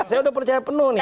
saya udah percaya penuh nih